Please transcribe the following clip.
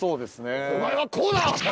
「お前はこうだ！」。